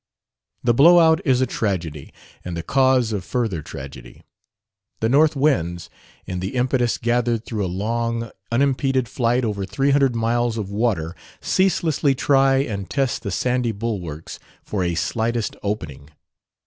The "blow out" is a tragedy, and the cause of further tragedy. The north winds, in the impetus gathered through a long, unimpeded flight over three hundred miles of water, ceaselessly try and test the sandy bulwarks for a slightest opening.